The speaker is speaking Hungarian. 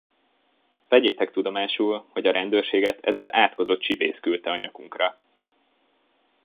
Vegyétek tudomásul, hogy a rendőrséget ez az átkozott csibész küldte a nyakunkra.